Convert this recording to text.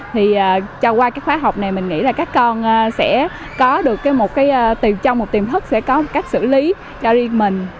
thì qua khóa học này mình nghĩ là các con sẽ có được trong một tiềm thức sẽ có cách xử lý cho riêng mình